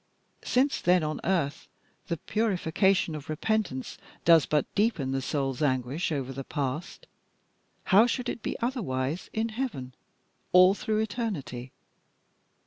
Since, then, on earth the purification of repentance does but deepen the soul's anguish over the past, how should it be otherwise in heaven, all through eternity?